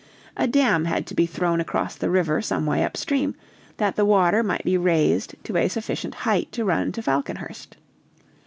A dam had to be thrown across the river some way up stream, that the water might be raised to a sufficient height to run to Falconhurst.